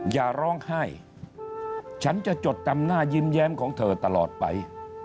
อย่าร้องไห้ฉันจะจดจำหน้ายิ้มแย้มของเธอตลอดไป